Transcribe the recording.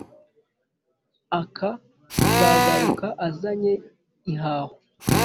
aka zagaruka azanye ihaho.